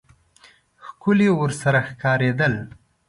ښکلي ورسره ښکارېدل.